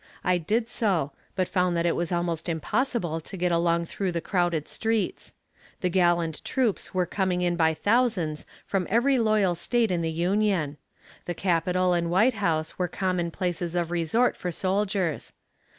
I did so, but found that it was almost impossible to get along through the crowded streets. The gallant troops were coming in by thousands from every loyal State in the Union. The Capitol and White House were common places of resort for soldiers.